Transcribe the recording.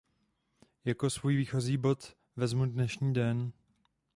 Jako svůj výchozí bod vezmu dnešní den.